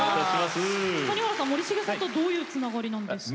谷原さん森重さんとどういうつながりなんですか？